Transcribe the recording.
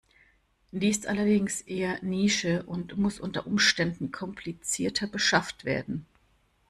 Die ist allerdings eher Nische und muss unter Umständen komplizierter beschafft werden.